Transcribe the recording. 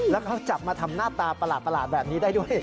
แล้วเขาจับมาทำหน้าตาประหลาดแบบนี้ได้ด้วย